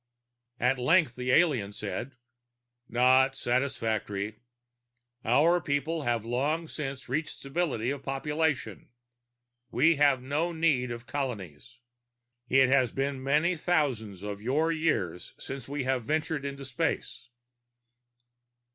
At length the alien said, "Not satisfactory. Our people have long since reached stability of population. We have no need of colonies. It has been many thousands of your years since we have ventured into space."